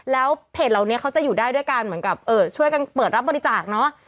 แล้วเพจเหล่านี้เขาจะอยู่ได้ด้วยการเหมือนกับช่วยกันเปิดรับบริจาคเนอะ